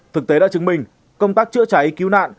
thực tế đã chứng minh công tác chữa cháy cứu nạn